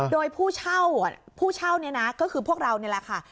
โดยผู้เช่าผู้เช่าเนี่ยนะก็คือพวกเรานี่แหละค่ะ